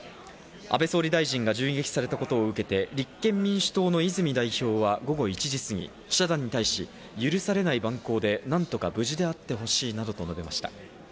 安倍元総理大臣が銃撃されたことを受けて立憲民主党の泉代表は、午後１時すぎ、記者団に対し、許されない蛮行で何とか無事であってほしいなどと述べました。